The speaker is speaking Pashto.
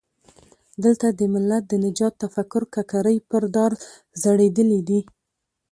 دلته د ملت د نجات تفکر ککرۍ پر دار ځړېدلي دي.